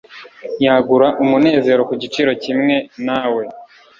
Yagura umunezero ku giciro kimwe na we